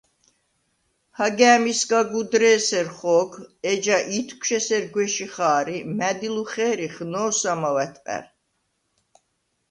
–ჰაგა̄̈მისგა გუდრ’ე̄სერ ხო̄გ, ეჯა ითქშუ̂ ესერ გუ̂ეში ხა̄რ ი მა̈დილუ ხე̄რიხ, ნო̄სამაუ̂ ა̈თყა̈რ!